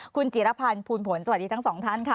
คุณจิรพันธ์ภูลผลสวัสดีทั้งสองท่านค่ะ